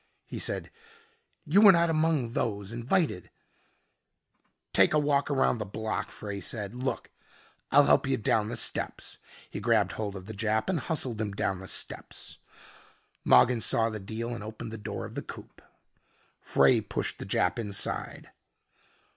He said, "You were not among those invited " "Take a walk around the block," Frey said. "Look, I'll help you down the steps " He grabbed hold of the Jap and hustled him down the steps. Mogin saw the deal and opened the door of the coupe. Frey pushed the Jap inside.